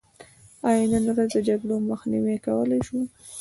آیا نن ورځ د جګړو مخنیوی کولی شو؟